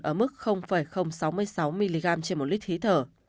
ở mức sáu mươi sáu mg trên một lít khí thở